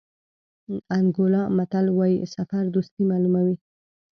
انګولا متل وایي سفر دوستي معلوموي.